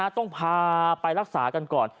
ต้องพาไปรักษากันก่อน